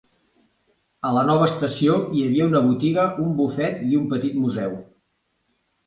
A la nova estació hi havia una botiga, un bufet i un petit museu.